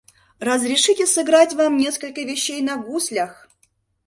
— Разрешите сыграть вам несколько вещей на гуслях...